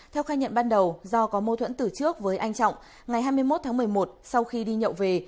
theo khai nhận ban đầu do có mâu thuẫn tử trước với anh trọng ngày hai mươi một tháng một mươi một sau khi đi nhậu về